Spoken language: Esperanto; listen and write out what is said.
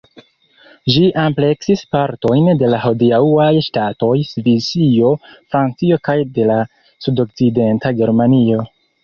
Ĝi ampleksis partojn de la hodiaŭaj ŝtatoj Svisio, Francio kaj de la sudokcidenta Germanio.